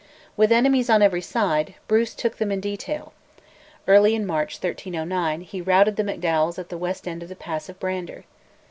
With enemies on every side, Bruce took them in detail; early in March 1309 he routed the Macdowals at the west end of the Pass of Brander.